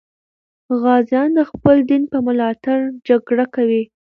غازیان د خپل دین په ملاتړ جګړه کوي.